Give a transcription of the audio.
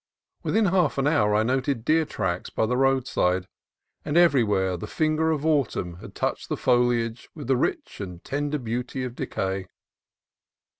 Within half an hour I noticed deer tracks by the roadside, and everywhere the finger of autumn had touched the foliage with the rich and tender beauty of decay.